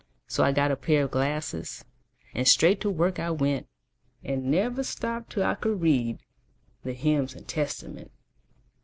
So I got a pair of glasses, And straight to work I went, And never stopped till I could read The hymns and Testament.